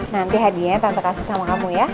nanti hadiahnya tante kasih sama kamu ya